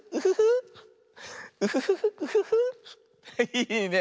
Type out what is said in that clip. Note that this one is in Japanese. いいね。